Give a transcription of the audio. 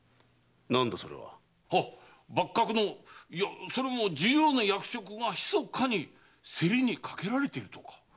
幕閣のそれも重要な役職が秘かに競りにかけられてるとか。